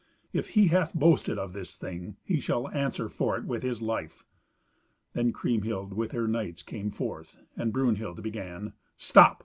If he hath boasted of this thing, he shall answer for it with his life." Then Kriemhild with her knights came forth, and Brunhild began, "Stop!